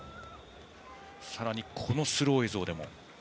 さらにスロー映像でも。